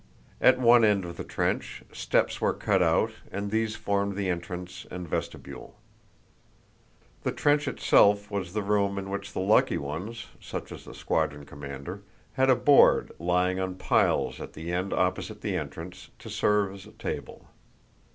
At one end of the trench, steps were cut out and these formed the entrance and vestibule. The trench itself was the room, in which the lucky ones, such as the squadron commander, had a board, lying on piles at the end opposite the entrance, to serve as a table.